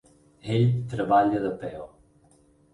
Ell treballa de peó.